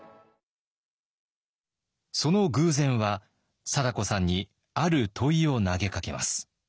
その偶然は貞子さんにある問いを投げかけます。